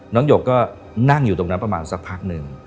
หยกก็นั่งอยู่ตรงนั้นประมาณสักพักหนึ่ง